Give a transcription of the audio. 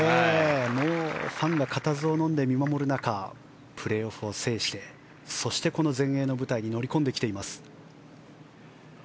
ファンが固唾をのんで見守る中プレーオフを制してそして、全英の舞台に乗り込んできています。